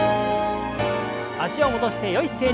脚を戻してよい姿勢に。